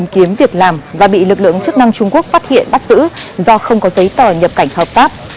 kiếm việc làm và bị lực lượng chức năng trung quốc phát hiện bắt giữ do không có giấy tờ nhập cảnh hợp pháp